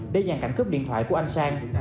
để nhằn cảnh cướp điện thoại của anh sang